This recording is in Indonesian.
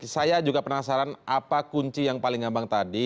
saya juga penasaran apa kunci yang paling gampang tadi